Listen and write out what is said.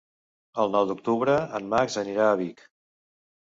El nou d'octubre en Max anirà a Vic.